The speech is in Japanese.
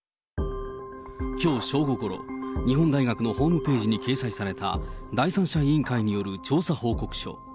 きょう正午ごろ、日本大学のホームページに掲載された第三者委員会による調査報告書。